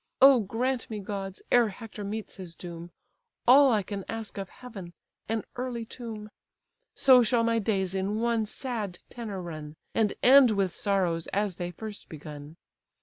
O grant me, gods, ere Hector meets his doom, All I can ask of heaven, an early tomb! So shall my days in one sad tenor run, And end with sorrows as they first begun.